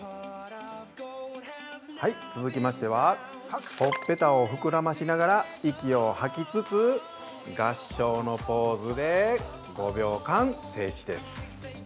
続きましてはほっぺたを膨らましながら息を吐きつつ、合掌のポーズで５秒間、静止です。